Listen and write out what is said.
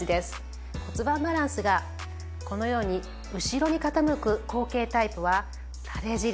骨盤バランスがこのように後ろに傾く後傾タイプは垂れ尻